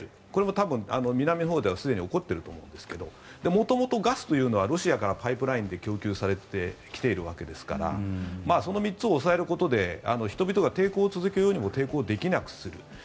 これはすでに南のほうではすでに起こっていると思うんですけど元々ガスはロシアのほうからパイプラインで供給されてきているわけですからその３つを押さえることで人々が抵抗を続けようにも抵抗できなくする。